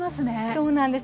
そうなんです。